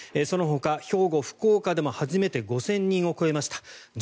そのほか兵庫、福岡でも初めて５０００人を超えました。